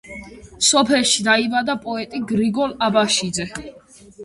სოფელში დაიბადა პოეტი გრიგოლ აბაშიძე.